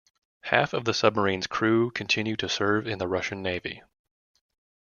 Half of the submarine's crew continued to serve in the Russian Navy.